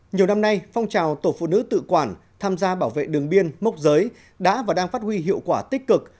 nhiều năm nay phong trào tổ phụ nữ tự quản tham gia bảo vệ đường biên mốc giới đã và đang phát huy hiệu quả tích cực